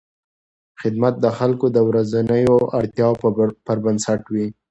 خدمت د خلکو د ورځنیو اړتیاوو پر بنسټ وي.